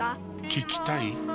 聞きたい？